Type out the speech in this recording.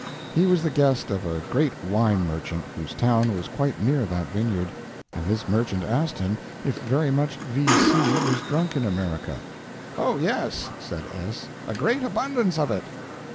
He was the guest of a great wine merchant whose town was quite near that vineyard, and this merchant asked him if very much V. C. was drunk in America. "Oh, yes," said S., "a great abundance of it."